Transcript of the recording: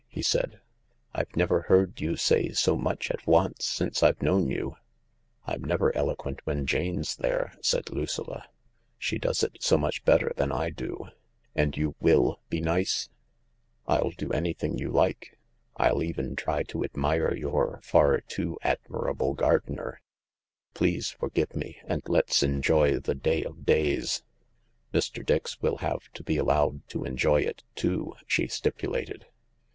he said. " I've never heard you say so much at once since I've known you/' " I'm never eloquent when Jane's there," said Lucilla — "she does it so much better than I do; and you will be nice ?"" I'll do anything you like. I'll even try to admire your far too admirable gardener. Please forgive me, and let's enjoy the day of days." " Mr. Dix will have to be allowed to enjoy it too," she stipulated.